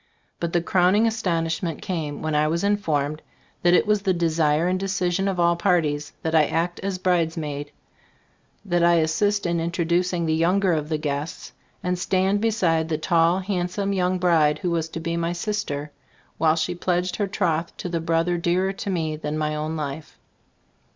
But the crowning astonishment came when I was informed that it was the desire and decision of all parties, that I act as bridesmaid. That I as sist in introducing the younger of the guests, and stand beside the tall, hand some young bride who was to be my sister, while she pledged her troth to the brother dearer to me than my own life.